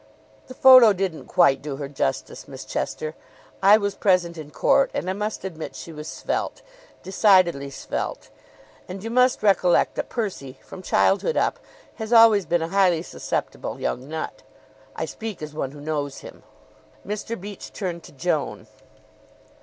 "The photo didn't quite do her justice, Miss Chester. I was present in court, and I must admit she was svelte decidedly svelte. And you must recollect that Percy, from childhood up, has always been a highly susceptible young nut. I speak as one who knows him." Mr. Beach turned to Joan.